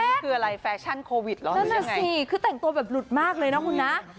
คืออะไรแฟชั่นโควิดเหรอนั่นน่ะสิคือแต่งตัวแบบหลุดมากเลยนะคุณนะ